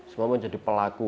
semua menjadi pelaku